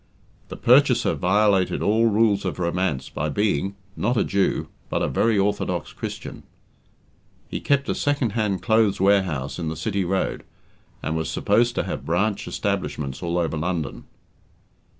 The purchaser violated all rules of romance by being not a Jew, but a very orthodox Christian. He kept a second hand clothes warehouse in the City Road, and was supposed to have branch establishments all over London.